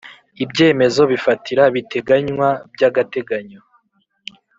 Ibyemezo bifatira biteganywa by agateganyo